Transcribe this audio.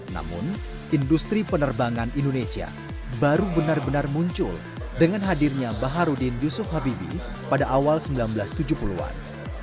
namun industri penerbangan indonesia baru benar benar muncul dengan hadirnya baharudin yusuf habibie pada awal seribu sembilan ratus tujuh puluh an